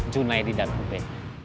junedi dan ube